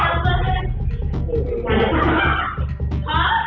สวัสดีครับวันนี้เราจะกลับมาเมื่อไหร่